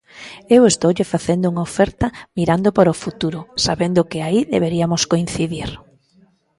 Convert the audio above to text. Eu estoulle facendo unha oferta mirando para o futuro, sabendo que aí deberiamos coincidir.